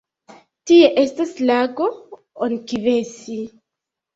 Tie estas lago Onkivesi.